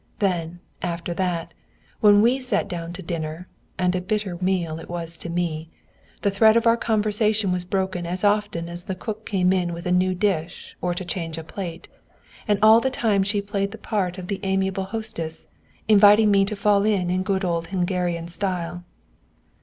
Then, after that, when we sat down to dinner (and a bitter meal it was to me) the thread of our conversation was broken as often as the cook came in with a new dish or to change a plate, and all that time she played the part of the amiable hostess, inviting me to fall to in good old Hungarian style.